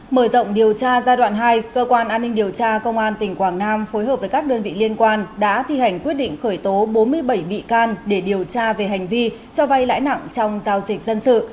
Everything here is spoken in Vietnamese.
mở rộng điều tra giai đoạn hai cơ quan an ninh điều tra công an tỉnh quảng nam phối hợp với các đơn vị liên quan đã thi hành quyết định khởi tố bốn mươi bảy bị can để điều tra về hành vi cho vay lãi nặng trong giao dịch dân sự